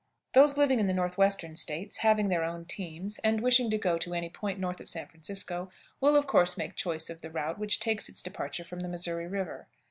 Those living in the Northwestern States, having their own teams, and wishing to go to any point north of San Francisco, will of course make choice of the route which takes its departure from the Missouri River.